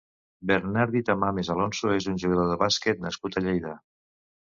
Bernardí Tamames Alonso és un jugador de bàsquet nascut a Lleida.